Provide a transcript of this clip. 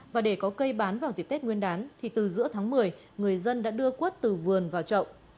và để có cây bán vào dịp tết nguyên đán thì từ giữa tháng một mươi người dân đã đưa quất từ vườn vào trậu